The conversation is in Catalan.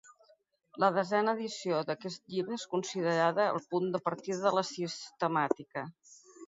La desena edició d'aquest llibre és considerada el punt de partida de la sistemàtica.